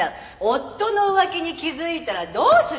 「夫の浮気に気づいたらどうするか？」